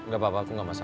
bapak gak keberatan kan